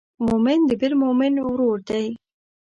مؤمن د بل مؤمن ورور دی.